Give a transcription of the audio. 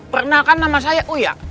perenakan nama saya kuyak